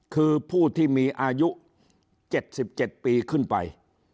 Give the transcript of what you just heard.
คือผู้ที่มีอายุ๗๗ปีขึ้นไป